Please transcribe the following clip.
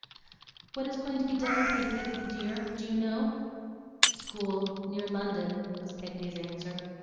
'What is going to be done with me, Peggotty dear? Do you know?' 'School. Near London,' was Peggotty's answer.